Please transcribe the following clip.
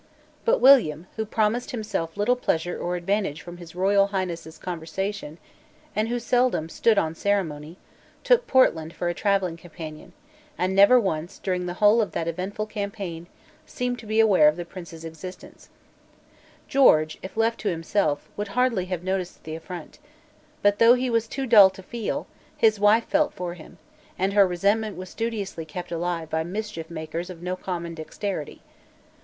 But William, who promised himself little pleasure or advantage from His Royal Highness's conversation, and who seldom stood on ceremony, took Portland for a travelling companion, and never once, during the whole of that eventful campaign, seemed to be aware of the Prince's existence, George, if left to himself, would hardly have noticed the affront. But, though he was too dull to feel, his wife felt for him; and her resentment was studiously kept alive by mischiefmakers of no common dexterity.